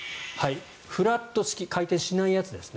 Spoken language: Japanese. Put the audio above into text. フラット式回転しないやつですね。